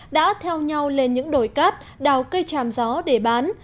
đã theo nhau lên những đồi cát đào cây tràm gió để bán